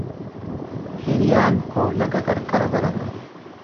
Hiriyaan koo laga qarqara barata.